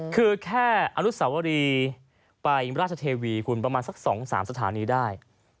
คือแค่อนุสาวรีไปราชเทวีคุณประมาณสัก๒๓สถานีได้